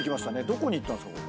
どこに行ったんですか？